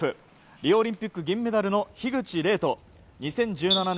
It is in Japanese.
リオオリンピック銀メダルの樋口黎と２０１７年